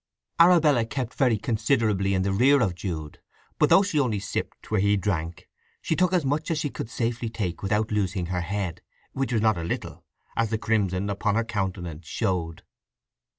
Arabella kept very considerably in the rear of Jude; but though she only sipped where he drank, she took as much as she could safely take without losing her head—which was not a little, as the crimson upon her countenance showed.